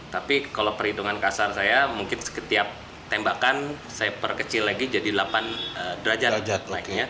tapi kalau perhitungan kasar saya mungkin setiap tembakan saya perkecil lagi jadi delapan derajat